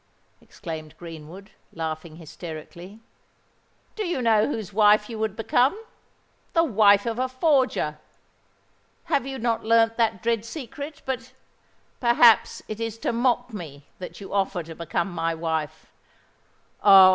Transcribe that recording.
exclaimed Greenwood, laughing hysterically. "Do you know whose wife you would become?—the wife of a forger! Have you not learnt that dread secret? But, perhaps, it is to mock me that you offer to become my wife! Oh!